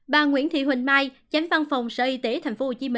bà nguyễn thị huỳnh mai chánh văn phòng sở y tế tp hcm